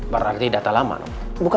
berarti data lama dok